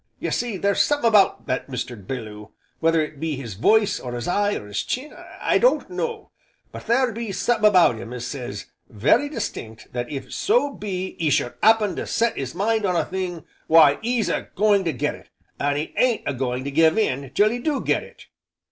Ye see, there's summat about Mr. Belloo, whether it be his voice, or his eye, or his chin, I don't know, but there be summat about him as says, very distinct that if so be 'e should 'appen to set 'is mind on a thing, why 'e's a going to get it, an' 'e ain't a going to give in till 'e do get it.